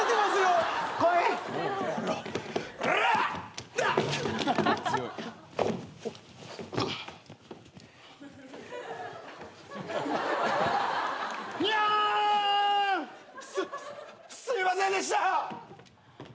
すすいませんでした！